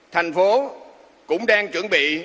thành phố cũng đang chuẩn bị